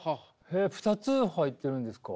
へえ２つ入ってるんですか？